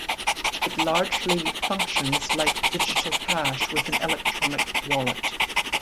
It largely functions like digital cash with an electronic wallet.